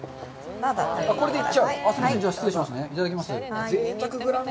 これで行っちゃう？